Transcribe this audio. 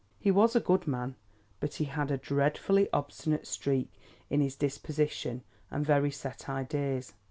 "He was a good man, but he had a dreadfully obstinate streak in his disposition and very set ideas.